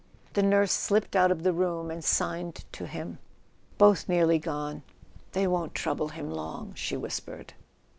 The nurse slipped out of the room and signed to him. "Both nearly gone ... they won't trouble him long," she whispered.